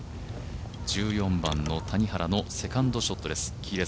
１４番の谷原のセカンドショットです。